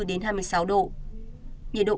đến hai mươi sáu độ nhiệt độ